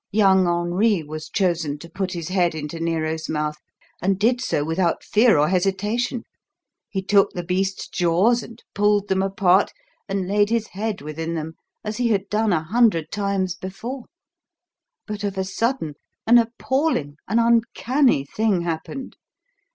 Young Henri was chosen to put his head into Nero's mouth, and did so without fear or hesitation. He took the beast's jaws and pulled them apart, and laid his head within them, as he had done a hundred times before; but of a sudden an appalling, an uncanny, thing happened.